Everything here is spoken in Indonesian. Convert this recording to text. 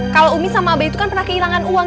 kalau umi sama abah itu kan pernah kehilangan uang